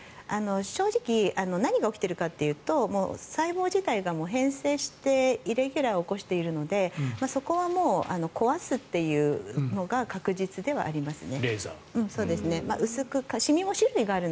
正直何が起きているかというと細胞自体が変性してイレギュラーを起こしているのでそこはもう壊すというのが確実ではありますね。